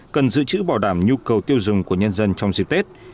cần dự trữ bảo đảm nhu cầu tiêu dùng của nhân dân trong dịp tết